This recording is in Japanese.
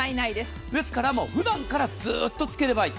ですから、普段からずっとつければいい。